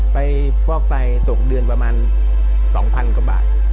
ฟอกไตตกเดือนประมาณ๒๐๐๐กว่าบาท